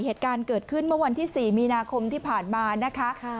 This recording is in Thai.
เหตุการณ์เกิดขึ้นเมื่อวันที่๔มีนาคมที่ผ่านมานะคะ